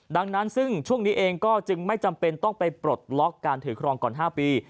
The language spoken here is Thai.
ดังนั้นซึ่งช่วงนี้เองก็จึงไม่จำเป็นต้องไปปลดล็อกการถือครองก่อน๕ปี